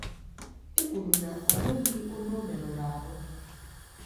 e kwuru na o nweghị onye o mèrụrụ ahụ.